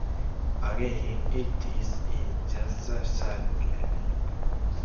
Again, it is in greyscale.